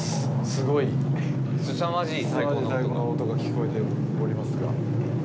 すさまじい太鼓の音が聞こえておりますが。